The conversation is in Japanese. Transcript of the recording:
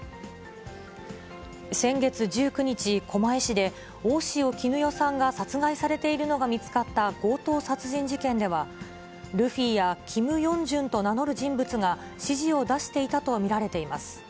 先月１９日、狛江市で、大塩衣与さんが殺害されているのが見つかった強盗殺人事件では、ルフィやキム・ヨンジュンと名乗る人物が指示を出していたと見られています。